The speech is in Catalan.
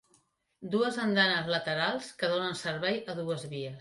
Dues andanes laterals que donen servei a dues vies.